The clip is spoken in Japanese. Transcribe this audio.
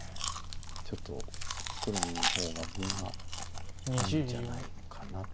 ちょっと黒の方が分がいいんじゃないかなと。